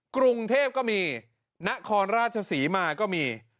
กรุงเทพก็มีนครราชศรีมาก็มี